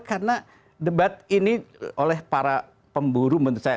karena debat ini oleh para pemburu menurut saya